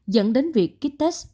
dẫn đến việc kích test